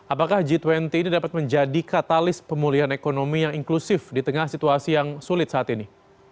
apakah g dua puluh ini dapat menjadi katalis pemulihan ekonomi yang inklusif di tengah situasi yang sulit saat ini